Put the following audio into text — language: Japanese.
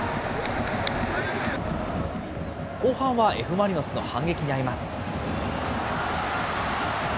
後半はＦ・マリノスの反撃にあいます。